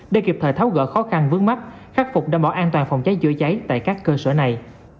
để kịp thời tháo gỡ khó khăn vướng mắt khắc phục đảm bảo an toàn phòng cháy chữa cháy tại các cơ sở này